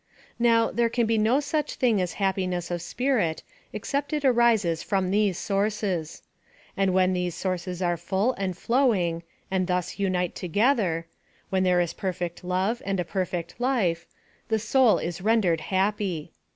Now, there can be no such thing as happiness of spirit, except it arises from these sources. And when these sources are full and flowing, and thus Unite together — when there is perfect love and a perfect life, the soul is rendered happy.